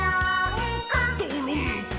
「どろんこ！」